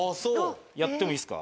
やってもいいっすか。